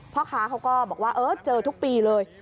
พ่อค้าเขาก็บอกว่าเออเจอทุกปีเลย